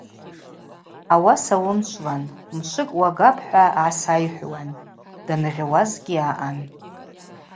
Ауаса уымчвлан – мшвыкӏ уагапӏ, – хӏва гӏасайхӏвуан, даныгъьуазгьи аъан.